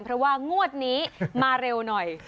เพราะว่างวดนี้มาเร็วหน่อย